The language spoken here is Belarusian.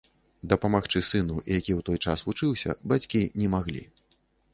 Дапамагчы сыну, які ў той час вучыўся, бацькі не маглі.